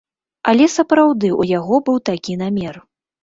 Але сапраўды ў яго быў такі намер.